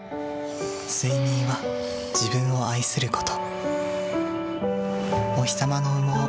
睡眠は、自分を愛すること。